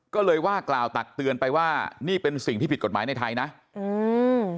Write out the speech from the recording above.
ก็เลยว่ากล่าวตักเตือนไปว่านี่เป็นสิ่งที่ผิดกฎหมายในไทยนะอืม